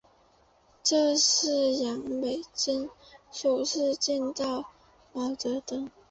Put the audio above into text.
这是杨美真首次见到毛泽东。